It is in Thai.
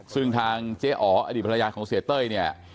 ซึ่งทางเจ๊อ๋ออดีตภรรยาของเสียเต้ยเนี่ย